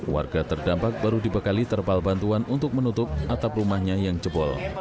warga terdampak baru dibekali terpal bantuan untuk menutup atap rumahnya yang jebol